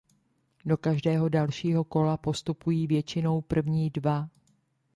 Do každého dalšího kola postupují většinou první dva.